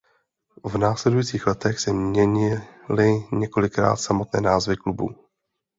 V následujících letech se měnily několikrát samotné názvy klubu.